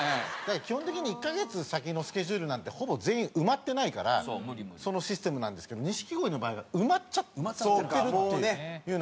基本的に１カ月先のスケジュールなんてほぼ全員埋まってないからそのシステムなんですけど錦鯉の場合は埋まっちゃってるっていうのがあって。